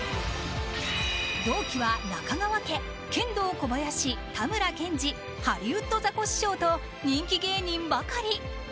同期は中川家ケンドーコバヤシ、たむらけんじハリウッドザコシショウと人気芸人ばかり。